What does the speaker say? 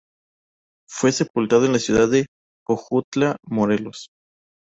Fue sepultado en la ciudad de Jojutla, Morelos.